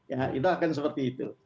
ya itu akan seperti itu